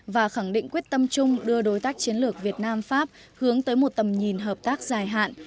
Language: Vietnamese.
và khẳng định quyết tâm chung đưa đối tác chiến lược việt nam pháp hướng tới một tầm nhìn hợp tác dài hạn